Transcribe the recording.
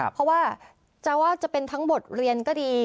เพราะว่าจะว่าจะเป็นทั้งบทเรียนก็ดี